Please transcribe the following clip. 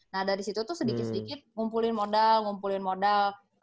nah dari situ tuh sedikit sedikit ngumpulin modal ngumpulin modal